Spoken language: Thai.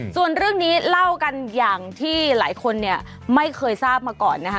ส่วนเรื่องนี้เล่ากันอย่างที่หลายคนเนี่ยไม่เคยทราบมาก่อนนะคะ